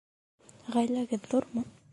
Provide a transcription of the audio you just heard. Ғаиләгеҙ ҙурмы?